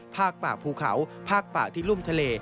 ภาคป่าภูเขาภาคป่าที่รุ่มทะเล